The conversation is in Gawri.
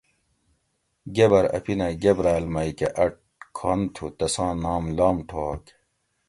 گبر اپینہ گبراۤل مئ کہ اۤ کھن تھو تساں نام لامٹھوک